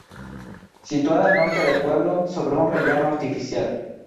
Situada al norte del pueblo, sobre un rellano artificial.